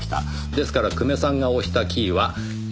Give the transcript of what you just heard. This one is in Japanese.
ですから久米さんが押したキーは４つ。